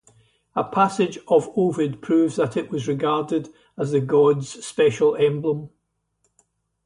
A passage of Ovid proves that it was regarded as the god's special emblem.